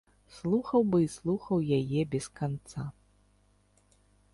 Слухаў бы і слухаў яе без канца.